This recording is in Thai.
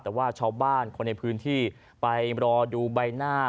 แต่ว่าชาวบ้านคนในพื้นที่ไปรอดูใบหน้า